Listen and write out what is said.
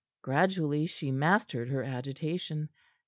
Gradually she mastered her agitation.